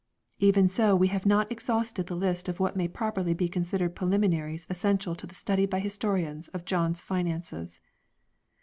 Even so we have not exhausted the list of what may properly be considered preliminaries essential to the study by historians of John's finances.